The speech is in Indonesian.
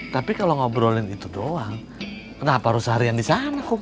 tapi kalau ngobrolin itu doang kenapa harus seharian di sana kok